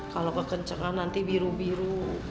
kalau kekenceng kan nanti biru biru